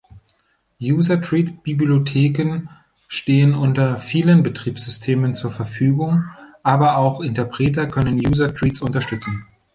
User-Thread-Bibliotheken stehen unter vielen Betriebssystemen zur Verfügung, aber auch Interpreter können User-Threads unterstützen.